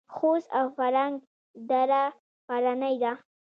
خوست او فرنګ دره غرنۍ ده؟